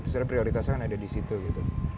sebenarnya prioritasnya kan ada di situ gitu